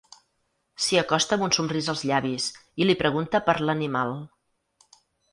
S'hi acosta amb un somrís als llavis i li pregunta per l'animal.